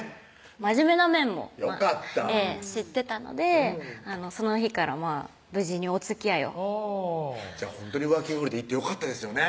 真面目な面も知ってたのでその日から無事におつきあいをワーキング・ホリデー行ってよかったですね